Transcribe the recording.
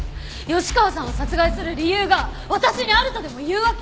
吉川さんを殺害する理由が私にあるとでもいうわけ？